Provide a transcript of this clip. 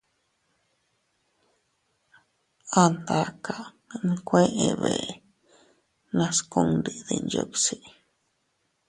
An daaka nkuee bee nascundi dinyuusi.